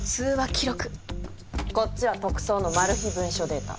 こっちは特捜のマル秘文書データ。